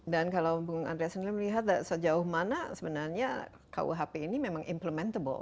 dan kalau bung andreas niel melihat sejauh mana sebenarnya ke ohp ini memang implementable